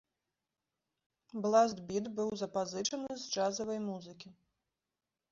Бласт-біт быў запазычаны з джазавай музыкі.